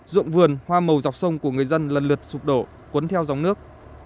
dụng vườn hoa màu dọc sông của người dân lần lượt sụp đổ cuốn theo dòng nước